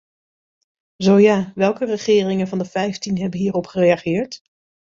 Zo ja, welke regeringen van de vijftien hebben hierop gereageerd?